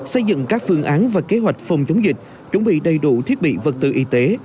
xây dựng các phương án và kế hoạch phòng chống dịch chuẩn bị đầy đủ thiết bị vật tư y tế